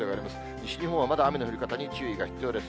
西日本はまだ雨の降り方に注意が必要です。